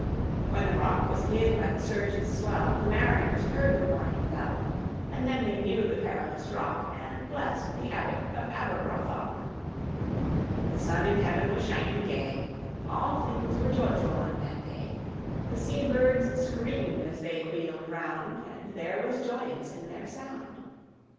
When the Rock was hid by the surge's swell, The mariners heard the warning Bell; And then they knew the perilous Rock, And blest the Abbot of Aberbrothok. The sun in heaven was shining gay; All things were joyful on that day; The sea birds screamed as they wheeled round, And there was joyance in their sound.